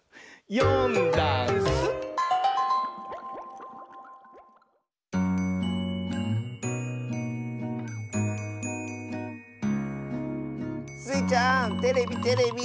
「よんだんす」スイちゃんテレビテレビ！